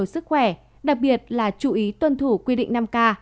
xin kính chúc quý vị thật nhiều sức khỏe đặc biệt là chú ý tuân thủ quy định năm k